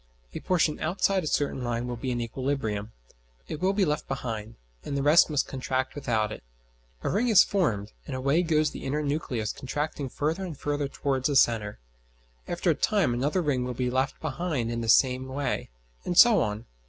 A portion outside a certain line will be in equilibrium; it will be left behind, and the rest must contract without it. A ring is formed, and away goes the inner nucleus contracting further and further towards a centre. After a time another ring will be left behind in the same way, and so on.